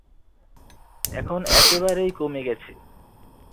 এখন একেবারেই কমে গেছে।